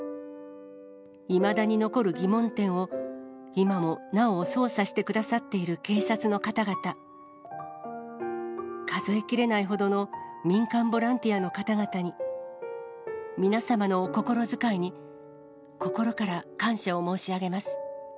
いまだに残る疑問点を今もなお捜査してくださっている警察の方々、数えきれないほどの民間ボランティアの方々に、皆様のお心遣いに心から感謝を申し上げます。